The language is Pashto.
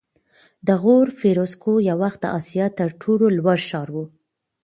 د غور فیروزکوه یو وخت د اسیا تر ټولو لوړ ښار و